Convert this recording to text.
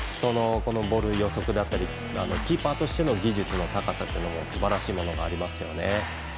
ボール予測だったりキーパーとしての技術の高さもすばらしいものがありますね。